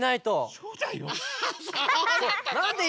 そうだよ。